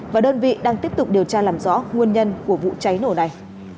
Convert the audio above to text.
và đơn vị đang tiếp tục điều tra làm rõ nguồn nhân của vụ cháy nổ này